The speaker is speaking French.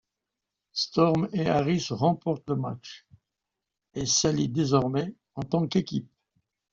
Storm et Harris remportent le match, et s'allient désormais en tant qu'équipe.